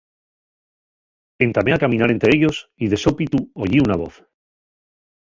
Entamé a caminar ente ellos y de sópitu oyí una voz.